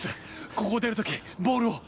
ここを出る時ボールを。